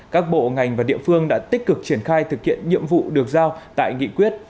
các bộ ngành và địa phương đã tích cực triển khai thực hiện nhiệm vụ được giao tại nghị quyết